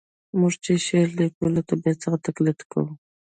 موږ چي شعر لیکو له طبیعت څخه تقلید کوو.